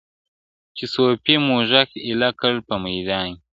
چي صوفي موږک ایله کړ په میدان کي٫